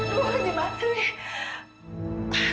duh ini mati